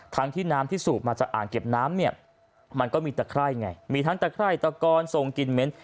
ทั้งที่น้ำที่สูบมาจากอ่างเก็บน้ำเนี่ยมันก็มีแต่ไข้ไงมีทั้งแต่ไข้แต่ก่อนสงกินเม้น